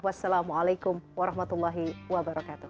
wassalamualaikum warahmatullahi wabarakatuh